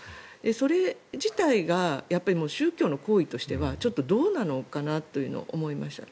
それ自体が宗教の行為としてはちょっとどうなのかなというのを思いました。